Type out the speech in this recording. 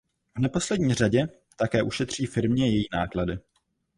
V neposlední řadě také ušetří firmě její náklady.